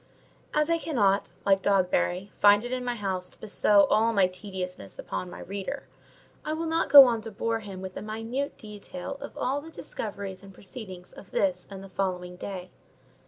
As I cannot, like Dogberry, find it in my heart to bestow all my tediousness upon the reader, I will not go on to bore him with a minute detail of all the discoveries and proceedings of this and the following day.